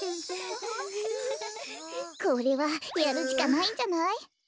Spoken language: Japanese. これはやるしかないんじゃない？